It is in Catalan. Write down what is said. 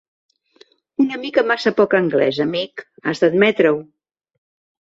Una mica massa poc anglès, amic, has de admetre-ho.